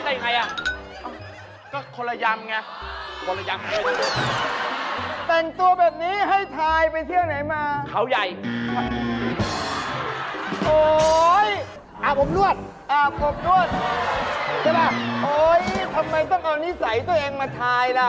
อินต้องลองพี่เค้าดูค่ะ